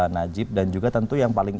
najib dan juga tentu yang paling